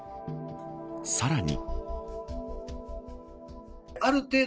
さらに。